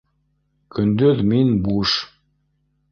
— Көндөҙ мин буш